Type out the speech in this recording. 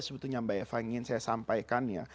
sebetulnya mbak eva ingin saya sampaikan ya